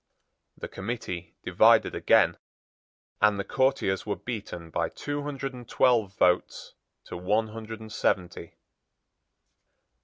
The committee divided again, and the courtiers were beaten by two hundred and twelve votes to one hundred and seventy.